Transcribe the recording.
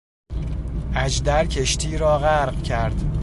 اژدر کشتی را غرق کرد.